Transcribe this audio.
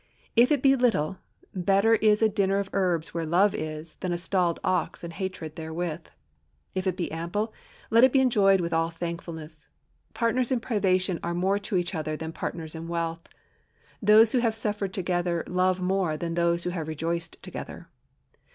If it be little, "better is a dinner of herbs where love is, than a stalled ox and hatred therewith." If it be ample, let it be enjoyed with all thankfulness. Partners in privation are more to each other than partners in wealth. Those who have suffered together love more than those who have rejoiced together.